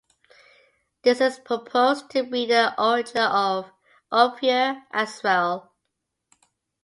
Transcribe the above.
This is proposed to be the origin of "Ophir" as well.